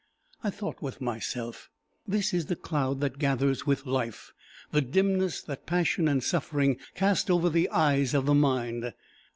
I thought with myself, "This is the cloud that gathers with life, the dimness that passion and suffering cast over the eyes of the mind."